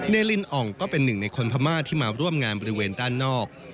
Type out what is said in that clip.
ลิลินอ่องก็เป็นหนึ่งในคนพม่าที่มาร่วมงานบริเวณด้านนอก